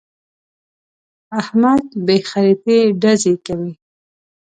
احمد بې خريطې ډزې کوي.